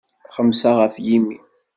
Xemsa ɣef yimi.